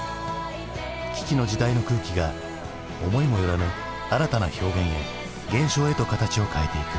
危機の時代の空気が思いも寄らぬ新たな表現へ現象へと形を変えていく。